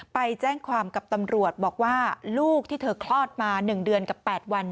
ไปแจ้งความกับตำรวจบอกว่าลูกที่เธอคลอดมา๑เดือนกับ๘วัน